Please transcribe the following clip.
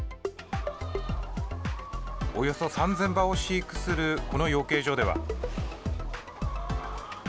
およそ３０００羽を飼育するこの養鶏場では。